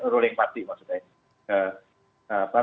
ruling party maksudnya ya